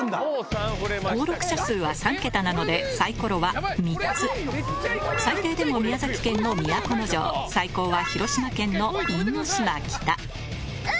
登録者数は３桁なのでサイコロは３つ最低でも宮崎県の都城最高は広島県の因島北え！